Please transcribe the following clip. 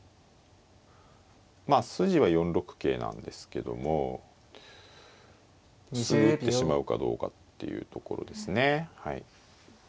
まあ筋は４六桂なんですけどもすぐ打ってしまうかどうかっていうところですね。